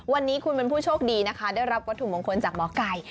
วันนี้คุณเป็นผู้โชคดีนะคะได้รับวัตถุมงคลจากหมอไก่